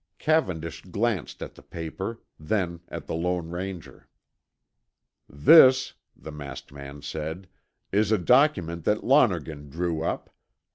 Cavendish glanced at the paper, then at the Lone Ranger. "This," the masked man said, "is a document that Lonergan drew up.